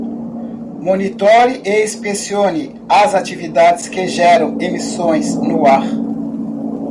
Monitore e inspecione as atividades que geram emissões no ar.